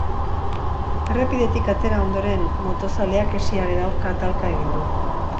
Errepidetik atera ondoren, motozaleak hesiaren aurka talka egin du.